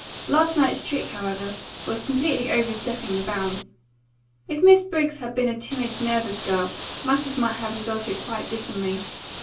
Last night's trick, however, was completely overstepping the bounds. If Miss Briggs had been a timid, nervous girl, matters might have resulted quite differently.